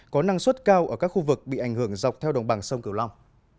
có năng suất cao ở các khu vực bị ảnh hưởng dọc theo đồng bằng sông cửu long